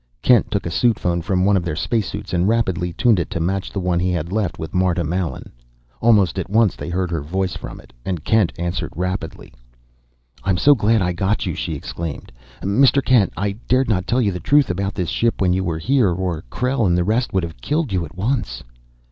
Kent took a suit phone from one of their space suits and rapidly, tuned it to match the one he had left with Marta Mallen. Almost at once they heard her voice from it, and Kent answered rapidly. "I'm so glad I got you!" she exclaimed. "Mr. Kent, I dared not tell you the truth about this ship when you were here, or Krell and the rest would have killed you at once."